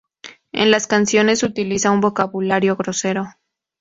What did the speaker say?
En las canciones utiliza un vocabulario grosero.